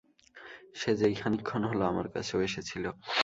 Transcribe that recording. সে যে এই খানিকক্ষণ হল আমার কাছেও এসেছিল।